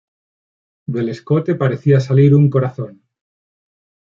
Del escote parecía salir un corazón.